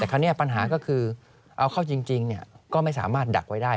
แต่คราวนี้ปัญหาก็คือเอาเข้าจริงก็ไม่สามารถดักไว้ได้